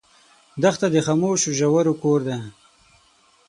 دښته د خاموشو ژورو کور دی.